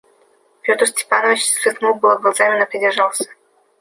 Петр Степанович сверкнул было глазами, но придержался.